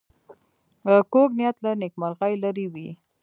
کوږ نیت له نېکمرغۍ لرې وي